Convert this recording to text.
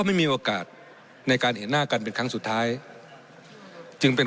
ไม่มีโอกาสในการเห็นหน้ากันเป็นครั้งสุดท้ายจึงเป็น